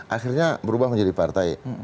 akhirnya berubah menjadi partai